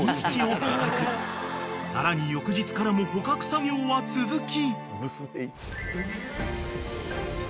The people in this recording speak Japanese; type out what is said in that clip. ［さらに翌日からも捕獲作業は続き］